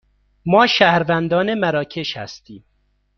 ما شهروندان مراکش هستیم.